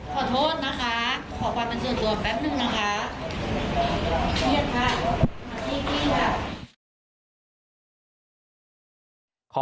ขอโทษนะคะขอความเป็นส่วนตัวแป๊บนึงนะคะ